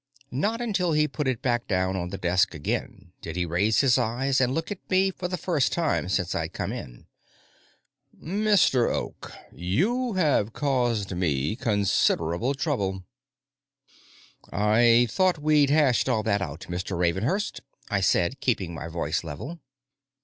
Not until he put it back down on the desk again did he raise his eyes and look at me for the first time since I'd come in. "Mr. Oak, you have caused me considerable trouble." "I thought we'd hashed all that out, Mr. Ravenhurst," I said, keeping my voice level.